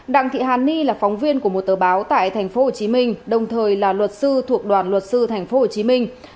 đặng thị hàn ni là phóng viên của một tờ báo tại tp hcm đồng thời là luật sư thuộc đoàn luật sư tp hcm